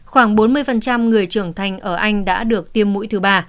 khoảng bốn mươi người trưởng thành ở anh đã được tiêm mũi thứ ba